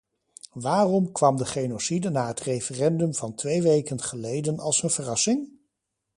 Waarom kwam de genocide na het referendum van twee weken geleden als een verrassing?